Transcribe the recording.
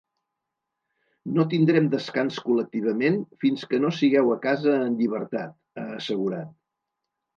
No tindrem descans col·lectivament fins que no sigueu a casa en llibertat, ha assegurat.